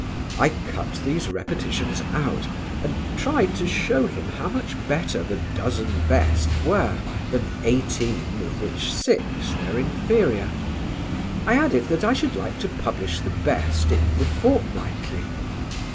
I cut these repetitions out and tried to show him how much better the dozen best were than eighteen of which six were inferior. I added that I should like to publish the best in "The Fortnightly."